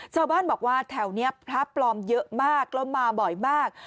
ชาวบ้านบอกว่าแถวนี้พระปลอมเยอะมากแล้วมาบ่อยมาก